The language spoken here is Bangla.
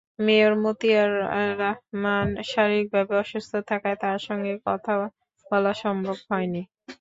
মেয়র মতিয়ার রহমান শারীরিকভাবে অসুস্থ থাকায় তাঁর সঙ্গে কথা বলা সম্ভব হয়নি।